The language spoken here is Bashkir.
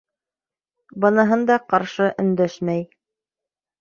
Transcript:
Быныһында ҡаршы өндәшмәй.